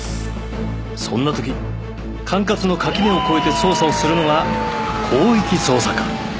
そんな時管轄の垣根を越えて捜査をするのが広域捜査課